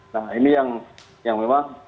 nah ini yang memang